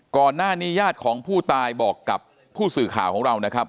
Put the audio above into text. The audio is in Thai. ญาติญาติของผู้ตายบอกกับผู้สื่อข่าวของเรานะครับ